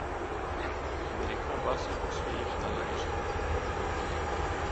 Mais les combats se poursuivent dans la région.